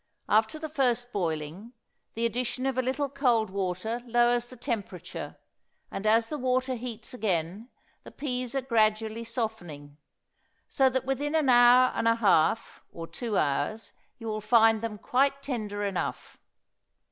After the first boiling the addition of a little cold water lowers the temperature, and as the water heats again the peas are gradually softening; so that within an hour and a half or two hours you will find them quite tender enough.